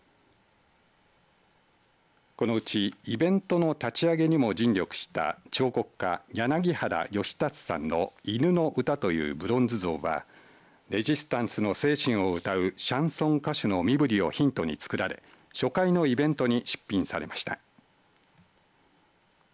このうちイベントの立ち上げにも尽力した彫刻家、柳原義達さんの犬の唄というブロンズ像はレジスタンスの精神を歌うシャンソン歌手の身ぶりをヒントに作られ初回のイベントに出品されました。